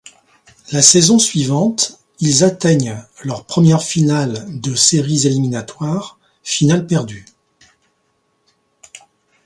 La saison suivante, ils atteignent leur première finale de séries éliminatoires, finale perdue.